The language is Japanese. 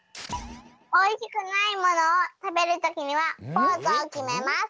おいしくないものをたべるときにはポーズをきめます。